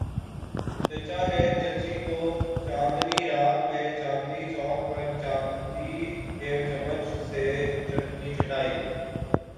چچا نے چچی کو چاندنی رات میں چاندنی چوک پر چاندی کے چمچ سے چٹنی چٹائ۔